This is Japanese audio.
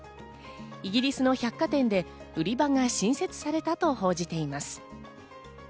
イギリスの百貨店で売り場が新設されたと報じています。